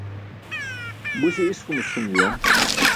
Buśe iskumuc ṣum juwan.